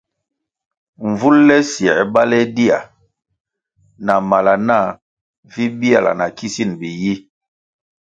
Mvul le siē baleh dia na mala nah vi biala na kisin biyi.